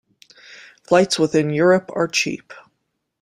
Flights within Europe are cheap.